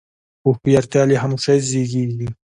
هوښیارتیا له خاموشۍ زیږېږي.